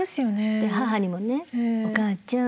で母にもね「おかあちゃん。